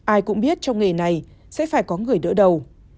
ai cũng biết trong nghề này sẽ phải có người đỡ đầu